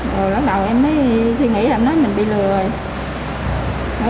rồi lúc đầu em mới suy nghĩ em nói mình bị lừa rồi